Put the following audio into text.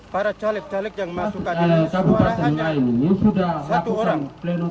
para caleg caleg yang masukkan suara hanya satu orang